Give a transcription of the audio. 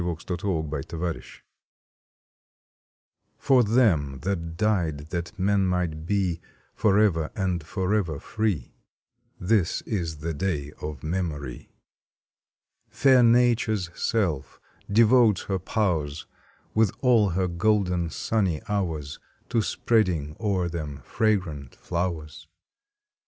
May Twenty ninth MEMORIAL DAY T^OR them that died that men might be , Forever and forever free, This is the day of Memory. Fair Nature s self devotes her powers With all her golden sunny hours To spreading o er them fragrant flowers.